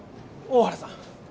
大原さん！